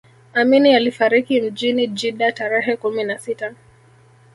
amini alifariki mjini jeddah tarehe kumi na sita